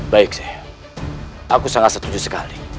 baik saya aku sangat setuju sekali